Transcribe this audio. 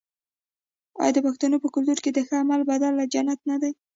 آیا د پښتنو په کلتور کې د ښه عمل بدله جنت نه دی؟